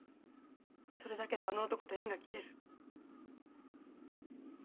それだけであの男と縁が切れる。